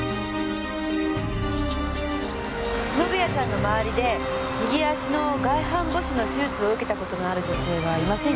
宣也さんの周りで右足の外反母趾の手術を受けた事のある女性はいませんか？